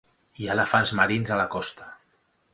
Hi ha elefants marins a la costa.